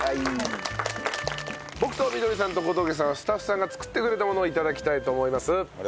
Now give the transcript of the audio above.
僕とみどりさんと小峠さんはスタッフさんが作ってくれたものを頂きたいと思います。